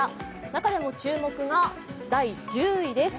中でも注目が第１０位です。